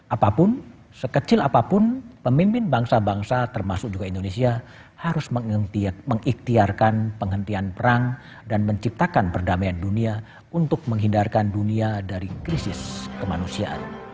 apapun sekecil apapun pemimpin bangsa bangsa termasuk juga indonesia harus mengikhtiarkan penghentian perang dan menciptakan perdamaian dunia untuk menghindarkan dunia dari krisis kemanusiaan